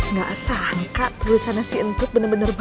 nggak sangka tulisannya si entut bener bener bagus